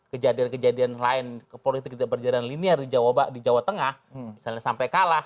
kejadian kejadian lain politik tidak berjalan linier di jawa tengah misalnya sampai kalah